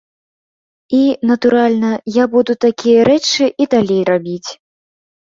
І, натуральна, я буду такія рэчы і далей рабіць.